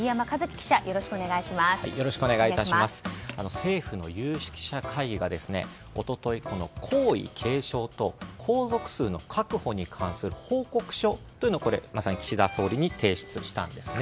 政府の有識者会議が一昨日、皇位継承と皇族数の確保に関する報告書というのを岸田総理に提出したんですね。